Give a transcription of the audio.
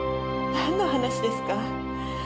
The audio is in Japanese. なんの話ですか？